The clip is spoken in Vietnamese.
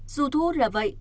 dù thú là vậy